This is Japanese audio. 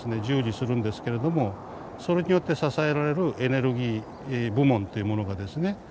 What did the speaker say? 従事するんですけれどもそれによって支えられるエネルギー部門っていうものがですね